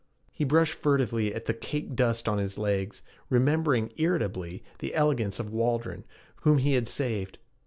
He brushed furtively at the caked dust on his legs, remembering, irritably, the elegance of Waldron, whom he had saved.